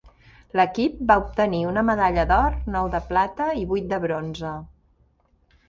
L'equip va obtenir una medalla d'or, nou de plata i vuit de bronze.